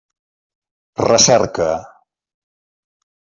Recerca.